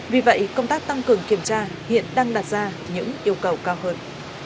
vì vậy công tác tăng cường kiểm tra hiện đang đặt ra những yêu cầu cao hơn